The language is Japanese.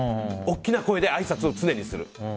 大きい声であいさつを常にする。